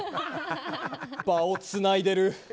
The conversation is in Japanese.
場をつないでる。